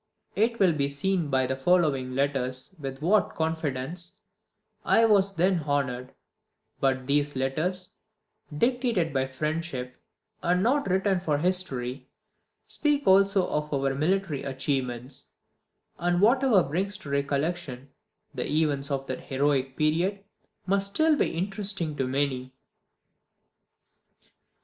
It will be seen by the following letters with what confidence I was then honoured; but these letters, dictated by friendship, and not written for history, speak also of our military achievements; and whatever brings to recollection the events of that heroic period must still be interesting to many.